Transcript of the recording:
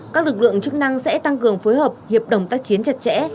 các lực lượng chức năng sẽ tăng cường phối hợp hiệp đồng tác chiến chặt chẽ